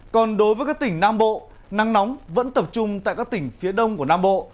còn đối với các tỉnh nam bộ nắng nóng vẫn tập trung tại các tỉnh phía đông của nam bộ